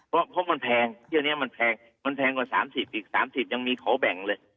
เพราะเพราะมันแพงเท่านี้มันแพงมันแพงกว่าสามสิบอีกสามสิบยังมีเขาแบ่งเลย